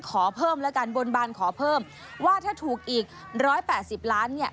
ขอเพิ่มละกันบนบานขอเพิ่มว่าถ้าถูกอีกร้อยแปดสิบล้านเนี่ย